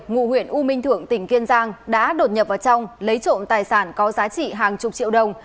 ngụ huyện u minh thượng tỉnh kiên giang đã đột nhập vào trong lấy trộm tài sản có giá trị hàng chục triệu đồng